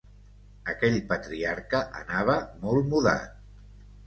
Aquell patriarca anava molt mudat.